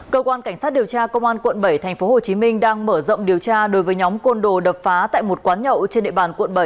cơ quan cảnh sát điều tra công an quận bảy tp hcm đang mở rộng điều tra đối với nhóm côn đồ đập phá tại một quán nhậu trên địa bàn quận bảy